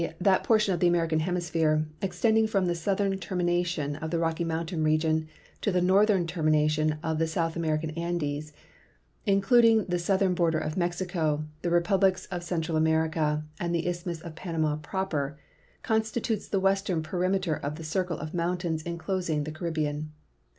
that l)ortion of tlie American hemisphere extending from the south ern termination of the Rocky Mountain region to the northern termination of the South American Andes, including the south ern border of Mexico, the Republics of Central America, and the isthmus of Panama proper — constitutes the western perimeter of the circle of mountains inclosing the Caribbean.